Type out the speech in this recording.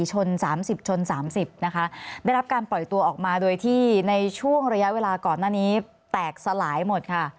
ชน๓๐ชน๓๐นะคะได้รับการปล่อยตัวออกมาโดยที่ในช่วงระยะเวลาก่อนหน้านี้แตกสลายหมดค่ะ